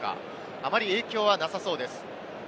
あまり影響はなさそうです。